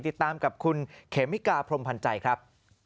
ติดตามกับคุณเขมิกาพรมพันธ์ใจครับ